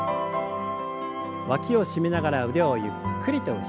わきを締めながら腕をゆっくりと後ろに。